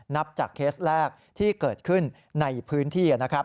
นับจากเคสแรกที่เกิดขึ้นในพื้นที่นะครับ